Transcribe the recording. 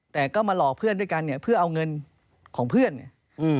แต่ก็มาหลอกเพื่อนด้วยกันเนี่ยเพื่อเอาเงินของเพื่อนเนี่ยอืม